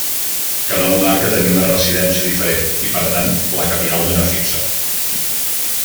Cada monarca tenia una residència diferent i, per tant la capital no era fixa.